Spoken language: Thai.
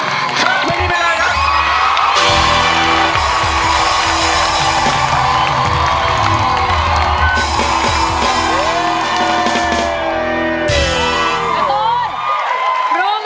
ไม่ได้เวลาครับ